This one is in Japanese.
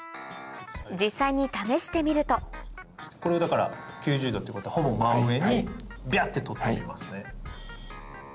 実際に試してみるとこれを９０度ってことはほぼ真上にビャって取ってみますね。